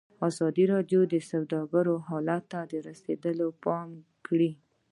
ازادي راډیو د سوداګري حالت ته رسېدلي پام کړی.